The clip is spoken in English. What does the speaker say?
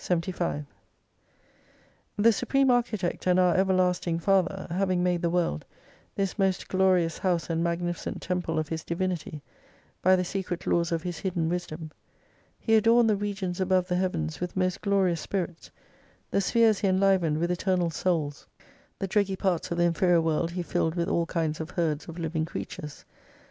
75 The Supreme Architect and our Everlasting Father, having made the world, this most glorious house and magnificent Temple of His divinity, by the secret laws of His hidden Wisdom ; He adorned the regions above the heavens with most glorious spirits, the spheres he enlivened with Eternal Souls, the dreggy parts of the inferior world he filled with all kinds of herds of living creatures.